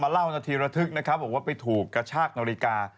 เล่านาทีระทึกนะครับบอกว่าไปถูกกระชากนาฬิกา